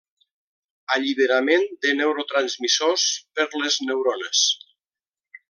Alliberament de neurotransmissors per les neurones.